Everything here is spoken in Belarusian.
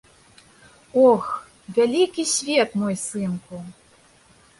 Ох, вялікі свет, мой сынку!